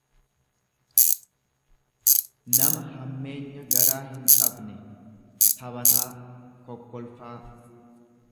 nama hammeenya garaa hinqabne, tabataa, kokkolfaa.